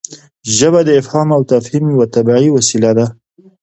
ژبه د افهام او تفهیم یوه طبیعي وسیله ده.